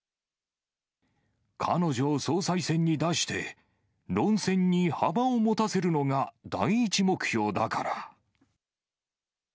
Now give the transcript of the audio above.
彼女を総裁選に出して、論戦に幅を持たせるのが第一目標だから。